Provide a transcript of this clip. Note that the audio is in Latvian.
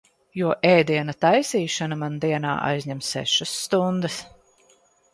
Jo ēdiena taisīšana man dienā aizņem sešas stundas.